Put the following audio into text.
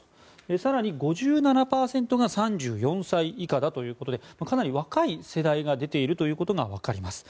更に５７％が３４歳以下ということでかなり若い世代が出ているということが分かります。